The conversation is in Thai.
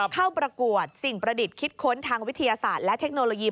เข้าประกวดสิ่งประดิษฐ์คิดค้นทางวิทยาศาสตร์และเทคโนโลยี